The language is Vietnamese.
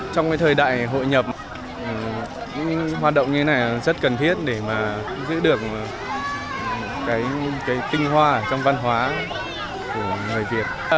trong cái thời đại hội nhập những hoạt động như thế này rất cần thiết để mà giữ được cái tinh hoa trong văn hóa của người việt